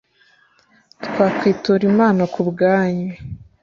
twakwitura imana ku bwanyu